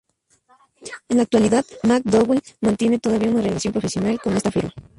En la actualidad MacDowell mantiene todavía una relación profesional con esta firma.